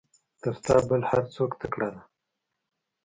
تر تا بل هر څوک تکړه ده.